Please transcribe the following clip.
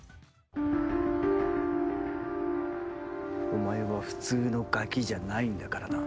お前は普通のガキじゃないんだからな。